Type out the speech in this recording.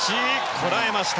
こらえました。